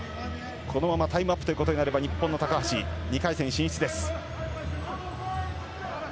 このままタイムアップということになれば高橋、２回戦進出です。